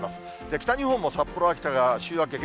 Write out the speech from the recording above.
北日本も札幌、秋田が週明け、月、